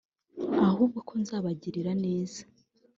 ahubwo ko nzabagirira neza